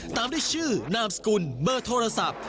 ตามด้วยชื่อนามสกุลเบอร์โทรศัพท์